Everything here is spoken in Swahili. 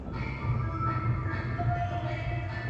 Waingereza ndani ya mji Baada ya wiki mbili